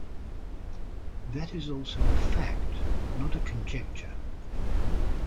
That is also a fact, not a conjecture.